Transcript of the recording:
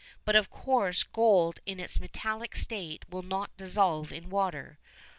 But, of course, gold in its metallic state will not dissolve in water.